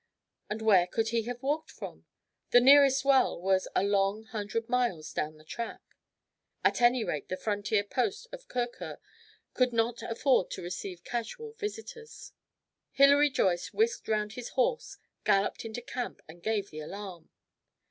And where could he have walked from? The nearest well was a long hundred miles down the track. At any rate the frontier post of Kurkur could not afford to receive casual visitors. Hilary Joyce whisked round his horse, galloped into camp, and gave the alarm.